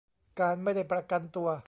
การไม่ได้ประกันตัว